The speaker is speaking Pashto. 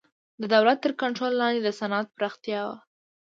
د دولت تر کنټرول لاندې د صنعت پراختیا و.